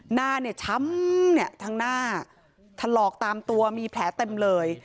หน้าช้ำทั้งหน้าถลอกตามตัวมีแผลเต็มเลย